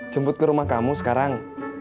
jemput ke rumah kamu sekarang